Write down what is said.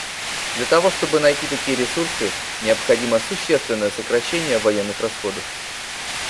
Для того, чтобы найти такие ресурсы, необходимо существенное сокращение военных расходов.